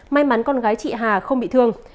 may mắn con gái chị hà không bị thương